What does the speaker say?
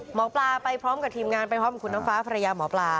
หมอปลาไปพร้อมกับทีมงานไปพร้อมกับคุณน้ำฟ้าภรรยาหมอปลา